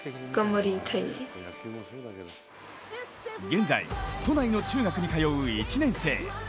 現在、都内の中学に通う１年生。